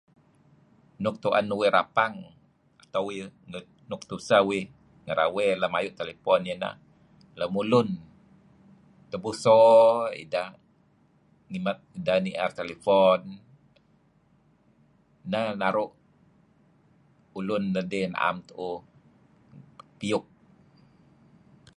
Nuk tuen uih rapang neh uih nuk tuseh uih ngerawey lam ayu' telphone ineh lemulun tebuso ideh ngimt deh nier telephone neh naru' ulun nedih am tuuh piyuk.